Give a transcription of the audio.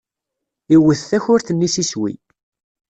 Iwet takurt-nni s iswi.